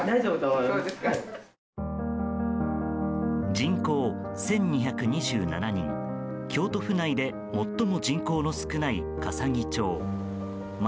人口１２２７人京都府内で最も人口の少ない笠置町。